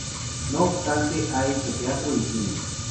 No obstante, ha hecho teatro y cine.